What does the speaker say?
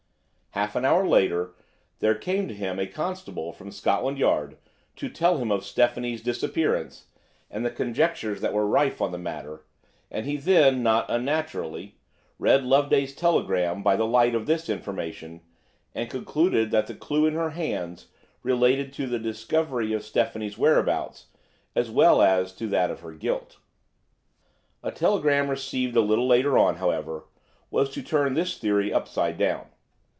Half an hour later there came to him a constable from Scotland Yard to tell him of Stephanie's disappearance and the conjectures that were rife on the matter, and he then, not unnaturally, read Loveday's telegram by the light of this information, and concluded that the clue in her hands related to the discovery of Stephanie's whereabouts as well as to that of her guilt. A telegram received a little later on, however, was to turn this theory upside down.